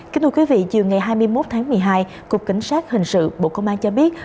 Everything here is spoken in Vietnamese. kính thưa quý vị chiều ngày hai mươi một tháng một mươi hai cục cảnh sát hình sự bộ công an cho biết